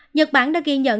nhật bản đã ghi nhận